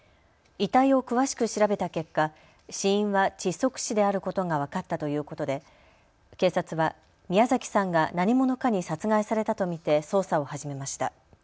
遺体を詳しく調べた結果、死因は窒息死であることが分かったということで警察は宮崎さんが何者かに殺害されたと見て捜査を始めました。